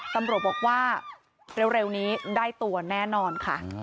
ตำรวจบอกว่าเร็วนี้ได้ตัวแน่นอนค่ะ